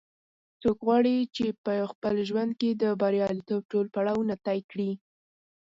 څوک غواړي چې په خپل ژوند کې د بریالیتوب ټول پړاوونه طې کړي